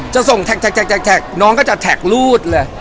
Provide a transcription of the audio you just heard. จะส่งแท็กน้องก็จะแท็กรูดเลย